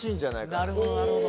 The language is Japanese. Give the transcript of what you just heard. なるほどなるほど。